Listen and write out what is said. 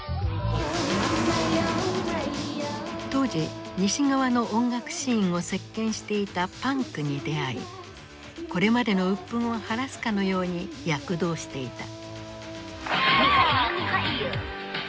当時西側の音楽シーンを席巻していたパンクに出会いこれまでの鬱憤を晴らすかのように躍動していた。